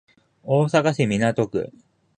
大阪市港区